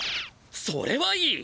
それはいい！